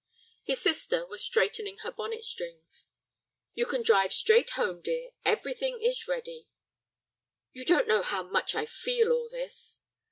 His sister was straightening her bonnet strings. "You can drive straight home, dear; everything is ready." "You don't know how much I feel all this."